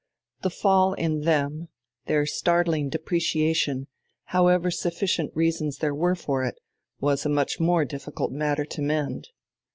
The fall in them, their startling depreciation, however sufficient reasons there were for it, was a much more difficult matter to mend.